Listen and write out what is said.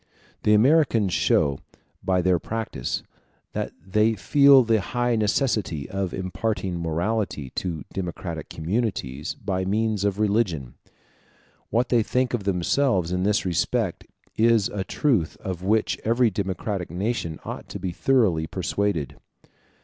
The Americans show, by their practice, that they feel the high necessity of imparting morality to democratic communities by means of religion. What they think of themselves in this respect is a truth of which every democratic nation ought to be thoroughly persuaded.